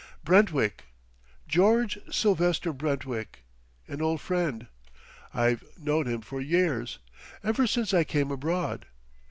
"Brentwick George Silvester Brentwick: an old friend. I've known him for years, ever since I came abroad.